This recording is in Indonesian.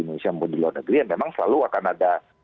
indonesia maupun di luar negeri ya memang selalu akan ada